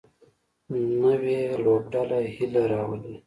نوې لوبډله هیله راولي